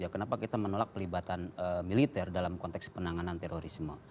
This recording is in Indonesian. kenapa kita menolak pelibatan militer dalam konteks penanganan terorisme